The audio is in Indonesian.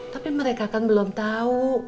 tapi mereka kan belum tahu